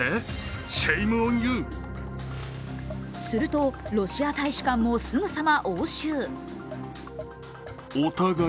すると、ロシア大使館もすぐさま応酬。